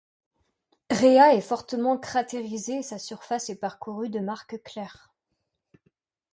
Rhéa est fortement cratérisée et sa surface est parcourue de marques claires.